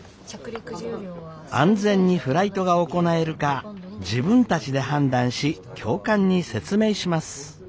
安全にフライトが行えるか自分たちで判断し教官に説明します。